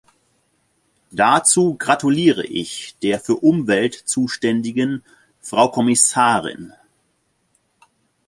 Dazu gratuliere ich der für Umwelt zuständigen Frau Kommissarin.